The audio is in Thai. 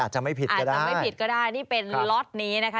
อาจจะไม่ผิดก็ได้นี่เป็นล็อตนี้นะคะ